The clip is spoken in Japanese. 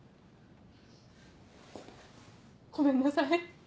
ごめんなさい